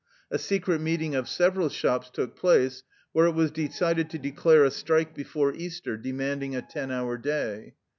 A secret meeting of several shops took place, where it was decided to declare a strike before Easter, demanding a ten hour day.